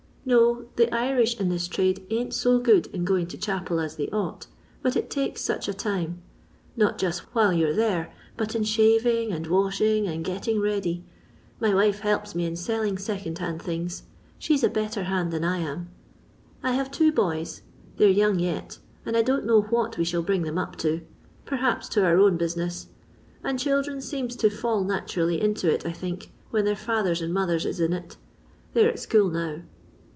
No, the Irish in this trade ain't so good in going to chapel as they ought, but it takes such a time ; not just while you 're there, but in shaving, and washing, and getting ready. My wife helps me in selling second hand things ; she 's a better hand than I am. I have two boys; they're young yet, and I don't know what we shall bring them up to ; perhaps to our own business ; and children seems to fall naturally into it, I think, when their fathers and mothers is in it. They 're at school now.